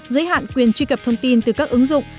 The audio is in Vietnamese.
giới hạn quyền truy cập thông tin từ các ứng dụng